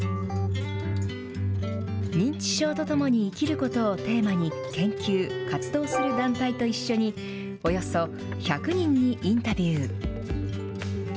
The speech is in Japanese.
認知症とともに生きることをテーマに、研究・活動する団体と一緒に、およそ１００人にインタビュー。